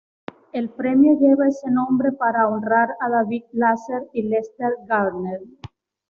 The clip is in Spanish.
El premio lleva ese nombre para honrar a David Lasser y Lester Gardner.